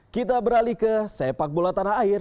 kita beralih ke sepak bola tanah air